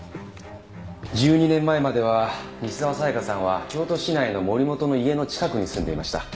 １２年前までは西沢紗香さんは京都市内の森本の家の近くに住んでいました。